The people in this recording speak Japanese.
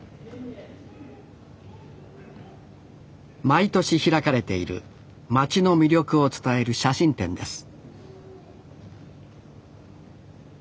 毎年開かれている町の魅力を伝える写真展です